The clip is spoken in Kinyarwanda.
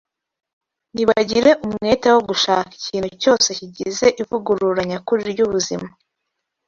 Nibagire umwete wo gushaka ikintu cyose kigize ivugurura nyakuri ry’ubuzima,